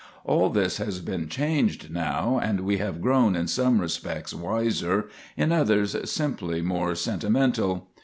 All this has been changed now, and we have grown in some respects wiser, in others simply more sentimental.